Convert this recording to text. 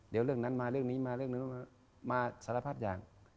เดี๋ยวเรื่องนั้นมาเรื่องนี้มาเรื่องนั้นมาสารภาพอย่าง